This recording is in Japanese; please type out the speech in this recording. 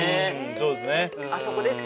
そうですね